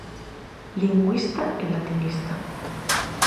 Lingüista e latinista.